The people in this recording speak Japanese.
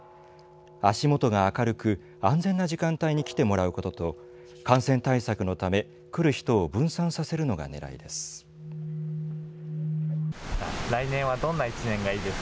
足元が明るく安全な時間帯に来てもらうことと感染対策のため来る人を分散させるのがねらいです。